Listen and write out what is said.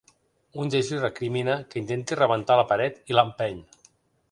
Un d’ells li recrimina que intenti rebentar la paret i l’empeny.